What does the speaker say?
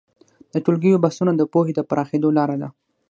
د ټولګیو بحثونه د پوهې د پراخېدو لاره ده.